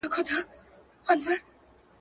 دوی وویل چې ټولنه له کوچنیو ډلو جوړه ده.